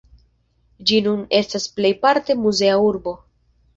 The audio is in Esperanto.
Ĝi nun estas plejparte muzea urbo.